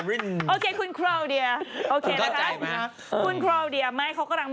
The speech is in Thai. เออเอมโคลัง